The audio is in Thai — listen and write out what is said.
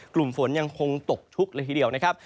กลุ่มฝนยังคงตกชุกเลยทีเดียวนะครับ